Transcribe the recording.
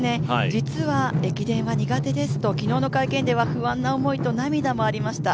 実は駅伝は苦手ですと、昨日の会見では不安な思いと涙もありました。